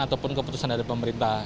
ataupun keputusan dari pemerintah